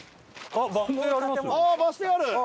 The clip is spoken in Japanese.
あっバス停ある？